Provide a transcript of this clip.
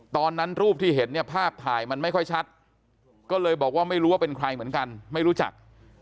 รูปที่เห็นเนี่ยภาพถ่ายมันไม่ค่อยชัดก็เลยบอกว่าไม่รู้ว่าเป็นใครเหมือนกันไม่รู้จัก